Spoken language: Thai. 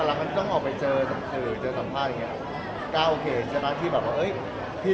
แต่ล่างกันต้องออกไปเจอสหรือสัมภาพแบบนี้